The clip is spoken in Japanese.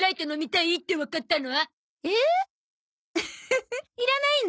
フフッいらないの？